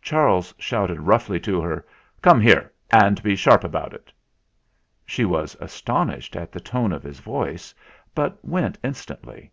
Charles shouted roughly to her : "Come here, and be sharp about it !" She was astonished at the tone of his voice, but went instantly.